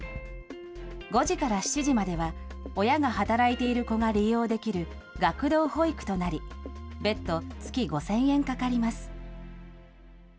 ５時から７時までは、親が働いている子が利用できる学童保育となり、別途、月５０００円かかります。